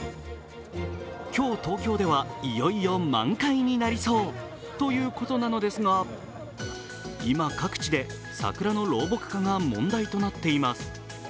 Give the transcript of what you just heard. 今日、東京ではいよいよ満開になりそうということなのですが今、各地で桜の老木化が問題となっています。